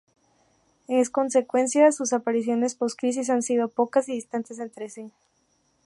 En consecuencia, sus apariciones pos-Crisis han sido pocas y distantes entre sí.